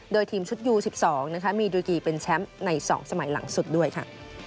โดยทีมชุดยู๑๒นะคะมีดุลกีเป็นแชมป์ใน๒สมัยหลังสุดด้วยค่ะ